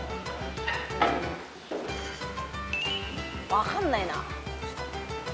分かんないな。